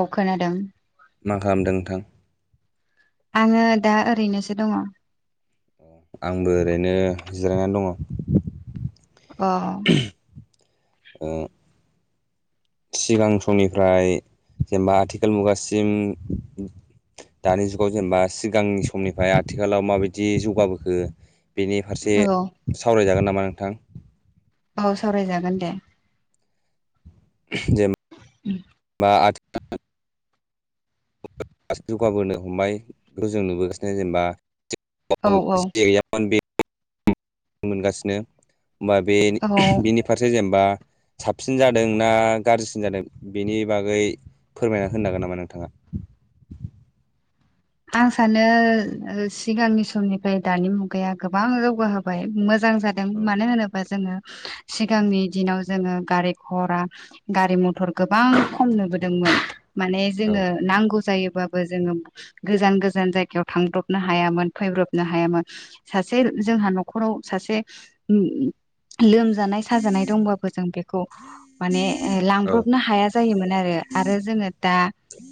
औ खोनादों मा खालामदों नोंथां? आङो दा ओरैनोसो दङ। आंबो ओरैनो जिरायनानै दङ। अ। ओ। सिगां समनिफ्राय जेनेबा आथिखाल मुगासिम दानि जुगाव जेनेबा सिगांनि समनिफ्राय आथिखालाव माबायदि जौगाबोखो बेनि फारसे औ सावरायजागोन नामा नोंथां औ सावरायजागोन दे। [unintelligible] जे [unintelligible] [unintelligible] जौगाबोनो हमबाय बेखौ जों नुबोगासिनो जेनेबा औ औ [unintelligible] मोनगासिनो होमबा बे औ [unintelligible] बिनि फारसे जेनेबा साबसिन जादों ना गाज्रिसिन जादों बेनि बागै फोरमायना होनो हागोन नामा नोंथाङा? [inaudible] आं सानो सिगांनि समनिफ्राय दानि मुगाया गोबां जौगाहोबाय मोज जां जादों मानो होनोबा जोङो सिगांनि दिनाव जोङो गारि घरा गारि मथर गोबां खम बोदोंमोन माने औ जोङो नांगौ जायोबो जोङो गोजान गोजान जायगायाव थांब्रबनो हायामोन फैब्रबनो हायामोन सासे जोंहा न'खराव सा से [unintelligible] लोमजानाय साजानाय दंबाबो जों बेखौ माने औ लांब्रबनो हाया जायोमोन आरो आरो जोङो दा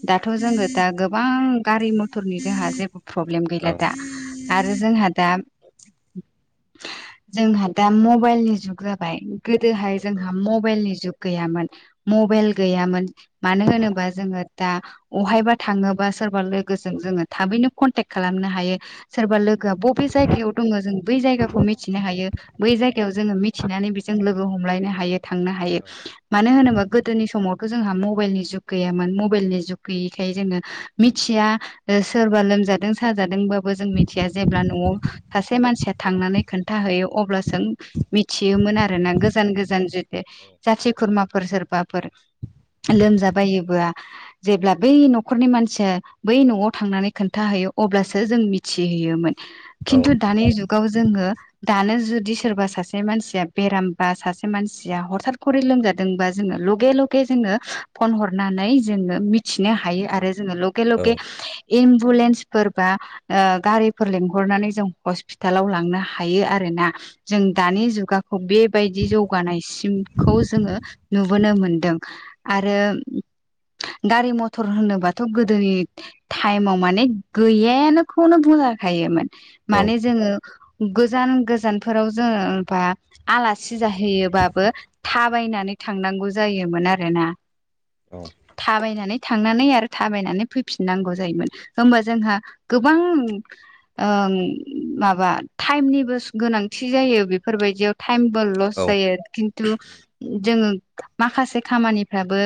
दाथ' जोङो दा गोबां गारि-मथरनि जोंहा जेबो फ्रब्लेम गैला औ दा। आरो जोंहा दा जोंहा दा मबाइलनि जुग जाबाय गोदोहाय औ जोंहा मबाइलनि जुग गैयामोन मबाइल गैयामोन। मानो होनोबा जोङो दा अहायबा थाङोबा सोरबा लो- लोगोजों जोङो थाबैनो कन्टेक खालामनो हायो। सोरबा लोगो बबे जायगायाव दङ जों बै जायगाखौ मिथिनो हायो। बै जायगायाव जोङो मिथिनानै बेजों लोगो हमलायनो हायो। थांनो हायो। मानो होनोबा गोदोनि समाव खौ जोंहा मबाइलनि जुग गैयामोन। मबाइलनि जुग गैयैखाय जोङो मिथिया सोरबा लोमजादों साजादोंबाबो जों मिथिया जेब्ला न'आव सासे मानसिया थांनानै खोन- था हैयो अब्लासो मिथियोमोन आरोना। गोजान गोजान जाथि खुरमाफोर सोर- बाफोर लोमजाबायोबा जेब्ला बै न'खरनि मानसिया बै न'आव थांनानै खोन्थाहैयो अब्लासो जों मिथिहैयोमोन। खिन्थु दानि जुगाव जोङो दानो जुदि सोरबा सासे मानसिया बेराम बा सासे मानसिया हरथाथ खरि लोमजादोंबा लगे लगे जोङो फन हरनानै जोङो मिथिनो हायो आरो जोङो लगे- लगे लगे एम्बुलेन्सफोर बा ओ गारिफोर लेंंहरनानै जों हस्पिटालाव लांनो हायो आरो। ना जों दानि जुगाखौ बेबायदि जौगानायसिमखौ जोङो नुबोनो मोनो। दों। आरो गारि-मथर होनोबाथ' गोदोनि टाइमाव माने गैयायानो खौनो बुंजाखायोमोन। औ माने जोङो गोजान-गोजानफोराव जोङोबा आलासि जाहैयोबाबो थाबायनानै थांनांगौ जायोमोन आरोना। औ थाबायनानै थांनानै आरो थाबायनानै फैफिननांगौ जायोमोन। होमबा जोंहा गोबां ओ माबा टाइमनिबो गोनांथि जायो बेफोरबायदियाव। टाइमबो लस जायो। खिन्थु जोङो माखासे खामानिफ्राबो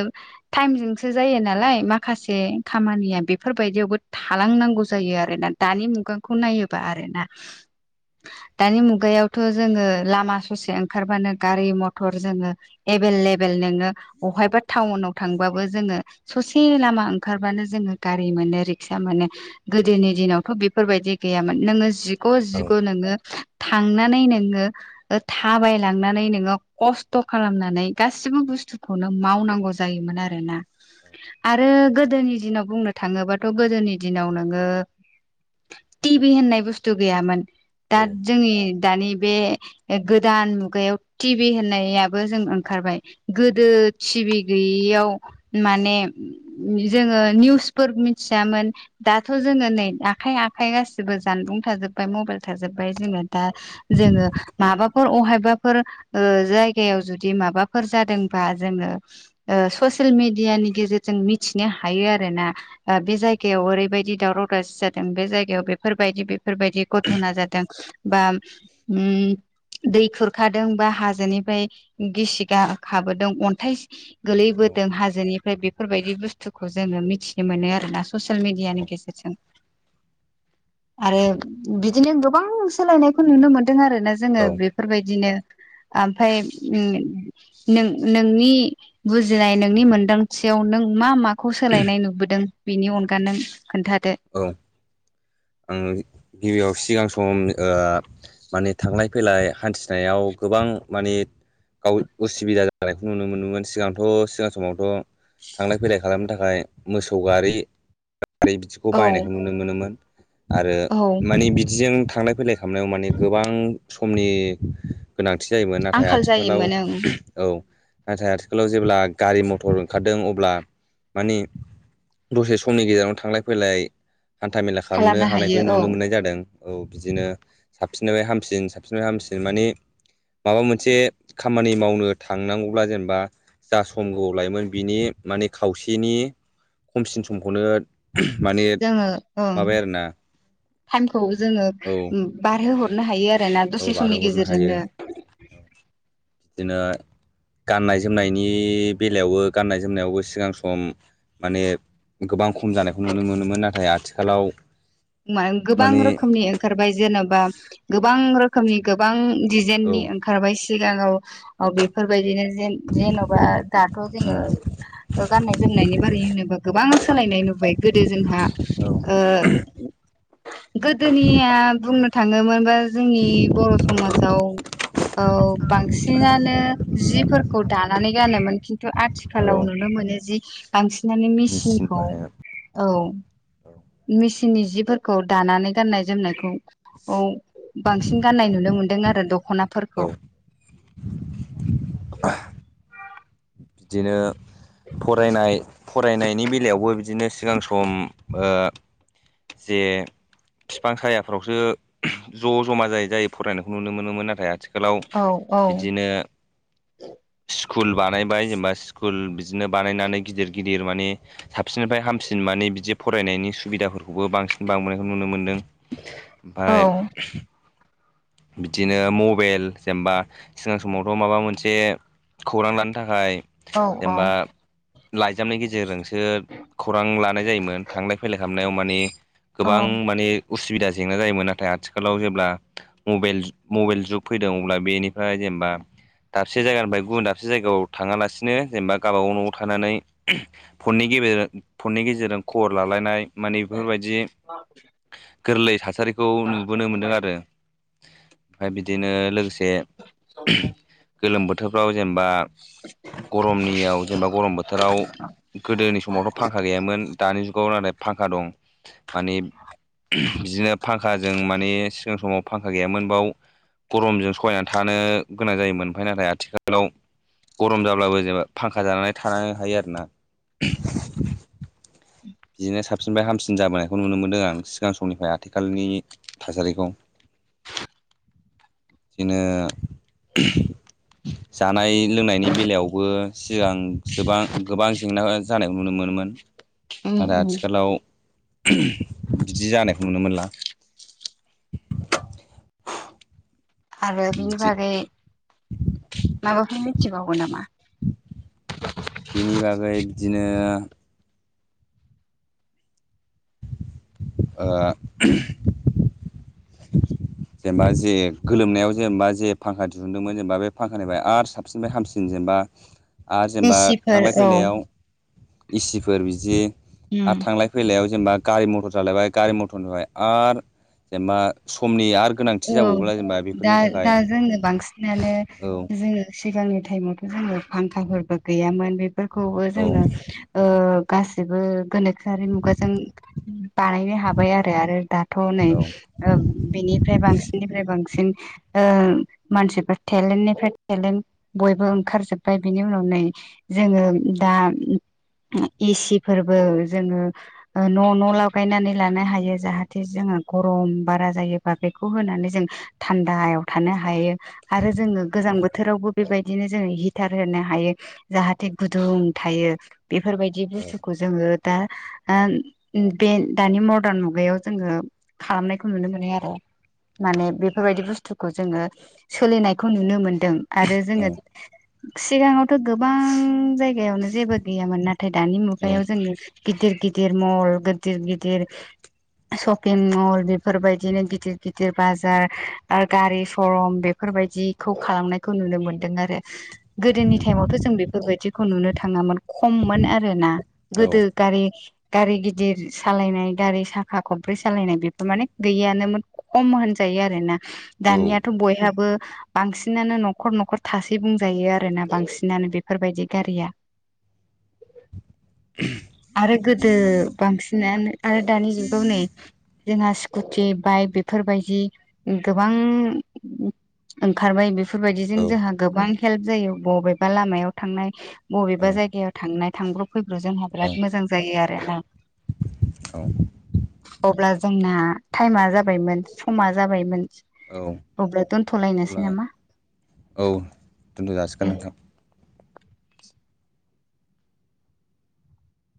टाइमजोंसो जायो नालाय माखासे खामानिया बेफोरबायदियावबो थालांनांगौ जायो आरो ना दानि मुगाखौ नायोबा आरो ना। दानि मुगायावथ' जोङो लामा ससे ओंखारबानो गारि-मथर जोङो एभेलेभेल नोङो अहायबा थाउनवाव थांबाबो जोङो ससे लामा ओं- ओंखारबानो जोङो गारि मोनो रिक्सा मोनो। गोदोनि दिनावथ' बेफोरबायदि गैयामोन। नोङो जि- ग' जिग' नोङो थांनानै नोङो थाबाय लांनानै नोङो खस्थ' खालामनानै गासिबो बुसथुखौनो मावनांगौ जायोमोन आरोना। आरो गो- गोदोनि दिनाव बुंनो थाङोबाथ' गोदोनि दिनाव नोङो टिभि होननाय बुस्थु गैयामोन। दा जोंनि दानि बे गोदान मुगायाव टिभि होननायाबो जों ओंखारबाय। गोदो टि- भि गैयियाव माने नि जोङो निउसफोर मिथियामोन दाथ जोङो नै आखाइ आखाइ गासिबो जानबुं था थाजोबबाय मबायल थाजोबबाय जोङो दा जोङो माबा फोर अहायबाफोर ओ जायगायाव जुदि माबाफोर जादोंबा जोङो ओ स सिल मिदियानि गेजेरजों मिथिनो हायो आरोना। बे जायगायाव ओरैबायदि दावराव दावसि जादों बे जायगायाव बेफोरबायदि बेफोरबायदि घथना जादों बा उम दै खुरखादों बा हाजोनिफ्राय गिसि गा-खाबोदों अन्थाइ गोलैबोदों हाजोनिफ्राय बेफोरबायदि बुस्थ थुखौ जोङो मिथिनो मोनो आरोना ससियेल मिडियानि गेजेरजों। आरो बिदिनो गोबां सोलायनायखौ नुनो मोन दों आरो ना औ जोङो बेफोरबायदिनो ओमफाय ओम नों नोंनि बुजिनाय नोंनि मोनदांथि आव नों मा माखौ सोलायनाय नुबोदों बेनि अनगा नों खोन्थादो औ आङो गिबियाव सिगां सम ओ माने थांलाय फैलाय हान्थिनायाव गोबां मानि गाव उसुबिदा जानायखौ नुनो मोनोमोन सिगांथ सिगां समावथ थांलाय फैलाय खालामनो थाखाय मोसौ गारि [unintelligible] खौ औ बायनायखौ नुनो मोनोमोन आरो औ मानि बिदिजों थांलाय फैलाय खालामनायाव माने गोबां समनि गोनां थि जायोमोन नाथाय आंखाल आथिखालाव जायोमोन ओं औ। नाथाय आथिखालाव जेब्ला गारि मथर ओंखारदों अब्ला माने दसे समनि गेजेरावनो थांलाय फैलाय हान्था मेला खालामनो हानायखौ हायो औ नुनो मोननाय जादों। औ बिदिनो साबसिननिफ्राय हामसिन साबसिननिफाय हामसिन मानि माबा मोनसे खामानि मावनो थांनांगौब्ला जेनबा जा सम गोबाव लायोमोन बिनि माने खावसेनि खमसिन समखौनो माने जोङो ओं माबाया आरोना टाइमखौ जोङो औ बारहोहरनो हायो आ रोना औ दसे समनि बारहोहरनो हायो गेजेरजोंनो। बिदिनो गाननाय जोमनायनि बेलायावबो गाननाय जोमनायावबो सिगां सम माने गोबां खम जानायखौ नुनो मोनोमोन। नाथाय आथिखालाव मा गोबां माने रोखोमनि ओंखारबाय जेनेबा गोबां रोखोमनि गोबां दिजाइननि औ ओंखारबाय सिगां औ बेफोरबायदिनो जेन जेनबा दाथ जोङो उम गाननाय जोमनायनि बारै होनोबा गोबां सोलायनाय नुबाय गोदो जोंहा ओ गोदोनिया बुंनो थाङोमोनबा जोंनि बर समाजाव औ बांसिनानो जिफोर खौ दानानै गानोमोन खिन्थु औ आथिखालाव नुनो मोनो जि बांसि नानो मेचिन मेसिनखौ बाहायनाय औ। औ मिसिननि जिफोरखौ दानानै गाननाय जोमनायखौ औ बांसिन गाननाय नुनो मोनदों आरो। खनाफोरखौ। औ बिदिनो फरायनाय फरायनायनि बेलायावबो बिदिनो सिगां सम ओ जे फिफां सायाफोरावसो ज जमा जायै जायो फरायनायखौ नुनो मोनोमोन नाथाय आथि खालाव औ औ बिदिनो स्कुल बानायबाय जेनेबा स्कुल बि दिनो बानायनानै गिदिर गिदिर माने साबसिननिफ्राय हामसिन माने बिदि फरायनायनि सुबिदाफोर खौबो बांसिन बांबोनायखौ नुनो मोनदों ओमफाय औ बिदिनो मबेल जेनेबा सिगां समावथ माबा मोनसे खौरां लानो थाखाय औ औ। जेनेबा लाइजामनि गेजेरजों सो खौरां लानाय जायोमोन। थांलाय फैलाय खालामनायाव माने औ गोबां माने उसुबिदा जेंना जायोमोन। नाथाय आथिखालाव जेब्ला मबेल मबेल जुग फैदों अब्ला बेनिफ्राय जेनबा दाबसे जायगानिफ्राय गुबुन दाबसे जायगायाव थाङालासिनो जेनबा गावबागाव न'आव थानानै फननि गेजेरजों फननि गेजेरजों खबर लालायनाय माने बेफोरबायदि गोरलै थासारिखौ नुबोनो मोन्दों आरो। ओमफाय बिदिनो लोगोसे गोलोम बोथोरफ्राव जेनेबा गरमनियाव जेनेबा गरम बोथोराव। गोदोनि समावथ' फांखा गैयामोन दानि जुगाव नाथाय। फांखा दं माने बिदिनो फांखाजों माने सिगां समाव फां। फा गैयामोन बाव गरमजों सहायनानै थानो गोनां जायोमोन ओमफ्राय नाथाय आथिखालाव। गरम जाब्लाबो जेनेबा फांखा जानानै थानो हायो आरोना। बिदिनो साबसिनफ्राय हामसिन जाबोनायखौ नुनो मोनदों आं सिगां समनिफ्राय आथिखालनि थासारिखौ। [inaudible] बिदिनो। जानाय लोंनायनि बेलायावबो सिगां गोबां जेंना जानायखौ नुनो मोनो मोन। मोन उम आरो उम आथिखालाव। बिदि जानायखौ नुनो मोनला। आरो बिनि बिदि बागै माबाफोर मिथिबावो नामा? ओमफ्राय बिदिनो। ओ। [inaudible] जेनेबा जे गोलोमनायाव जेनेबा जे फांखा दिहुनदोंमोन जेनेबा बे फांखानिफ्राय आरो साबसिननिफ्राय हामसिन जे। बा आरो जेनेबा गिसिफोर थांलाय औ फैलायाव। एसिफोर बिदि उम आरो थांलाय फैलायाव। जेनेबा गारि मथर सालायबाय गारि मथर निफ्राय आरो जेनेबा। समनि आरो औ गोनांथि जाबावोब्ला जेनेबा दा बेफोरनि थाखाय दा जोंनो बांसिनानो औ जोङो सिगांनि। टाइमावथ' जोङो फांखाफोरबो गैयामोन बेफोरखौबो औ जोङो ओ। गासिबो गोनो। जारि मुगाजों बानायनो हाबाय आरो आरो दाथ' नै ओ बिनि। बांसिनिफ्राय बांसिन ओ मानसिफ्रा टेलेन्टनिफ्राय लेन्ट बयबो ओंखारजोब। ओमफ्राय बिनि उनाव नै जोङो दा। एसि फोरबो जोङो ओ न' न' लागायनानै। लानो हायो औ जाहाथे जो गरम बारा जायो। बा बेखौ होनानै जों थान्दायाव थानो हायो आरो जोङो गोजां बोथोरावबो बेबायदिनो। जो हिटार होनो हायो जाहाथे गुदुं थायो बेफोरबायदि औ बुस्थुखौ जोङो। दा ओ बे दानि मदार्न मुगायाव जोङो खालामनायखौ नुनो मोनो आरो। औ माने बेफोरबायदि बुस्थुखौ जोङो सोलिनायखौ नुनो मोनदों आरो औ जोङो। सिगाङावथ' गोबां जायगायावनो जेबो गैयामोन नाथाय दानि औ मुगायाव जोङो। गिदिर गिदिर मल गदिर गिदिर। शपिं मल बेफोरबायदिनो गिदिर। गिदिर बाजार आरो गारि सरम बेफोरबायदिखौ खालामनायखौ नुनो मोन्दों आरो। गोदोनि टाइमावथ' जों बेफोरबायदिखौ नुनो थाङामोन। खममोन आरो ना औ गोदो गारि। गारि गिदिर सालायनाय गारि साखा खब्रै सालायनाय बेफोर माने गैयियानोन। खम होनजायो आरो ना दानियाथ' बयहाबो। बांसिनानो न'खर न'खर थासै बुंजायो आरोना बांसिनानो बेफोरबायदि गारिया। [inaudible] आरो गोदो बांसिनानो आरो दानि जुगाव नै जोंहा स्कुटि बाइक बेफोरबायदि गोबां ओंखारबाय बे बेफोरबायदिजों औ जोंहा गोबां हेल्प जायो बबेबा लामायाव थांनाय बबेबा औ जायगायाव थांनाय थांब्र' फैब्र' जोंहा बिराद मोजां जायो आरोना। औ। अब्ला जोंना टाइमा जाबायमोन समा जाबायमोन। औ अब्ला अब्ला दोनथ'लायनोसै नामा? औ दोनथ'जासिगोन नोंथां।